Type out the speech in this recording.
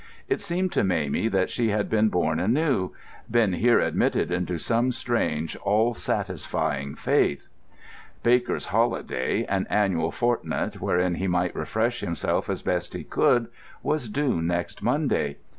It seemed to Mamie that she had been born anew, been here admitted into some strange, all satisfying faith. Baker's holiday, an annual fortnight wherein he might refresh himself as best he could, was due next Monday.